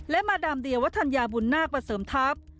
และมาดามเดียวัฒนยาบุญนาคมาเสริมทัพ